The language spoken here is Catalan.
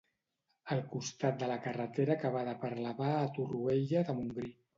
Al costat de la carretera que va de Parlavà a Torroella de Montgrí.